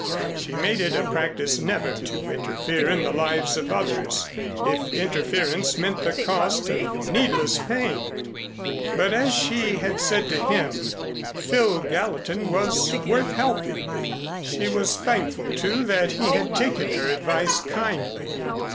She made it a practice never to interfere in the lives of others, if interference meant the cost of needless pain; but as she had said to him, Phil Gallatin was worth helping. She was thankful, too, that he had taken her advice kindly.